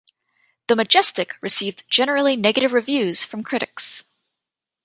"The Majestic" received generally negative reviews from critics.